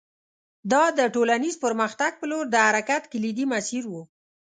دا د ټولنیز پرمختګ په لور د حرکت کلیدي مسیر و